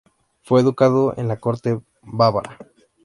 Fue educado en la corte bávara.